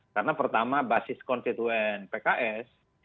karena pertama basis konstituen pks